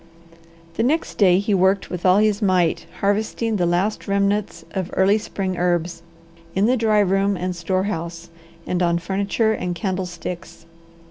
The next day he worked with all his might harvesting the last remnants of early spring herbs, in the dry room and store house, and on furniture and candlesticks.